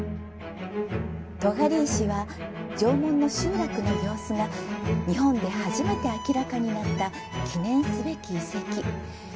尖石は、縄文の集落の様子が日本で初めて明らかになった記念すべき遺跡。